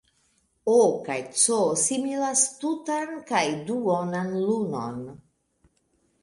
O. kaj C. similas tutan kaj duonan lunon.